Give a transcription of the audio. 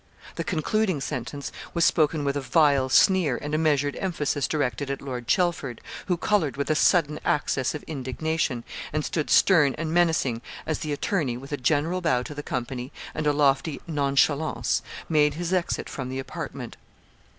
The concluding sentence was spoken with a vile sneer and a measured emphasis directed at Lord Chelford, who coloured with a sudden access of indignation, and stood stern and menacing, as the attorney, with a general bow to the company, and a lofty nonchalance, made his exit from the apartment.